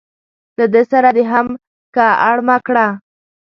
له ده سره دې هم که اړمه کړه.